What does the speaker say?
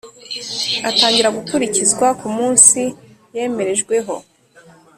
Atangira gukurikizwa ku munsi yemerejweho